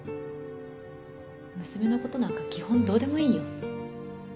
娘のことなんか基本どうでもいいんよ。